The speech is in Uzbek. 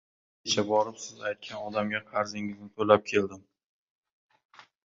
– Men kecha borib, siz aytgan odamga qarzingizni toʻlab keldim.